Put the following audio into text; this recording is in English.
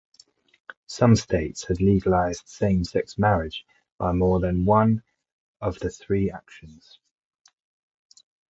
Some states had legalized same-sex marriage by more than one of the three actions.